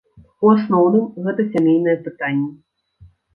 У асноўным, гэта сямейныя пытанні.